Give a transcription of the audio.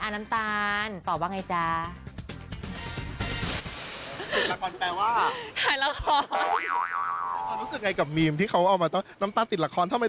น้องนัทอยากสัมภาษณ์แล้วเนี่ย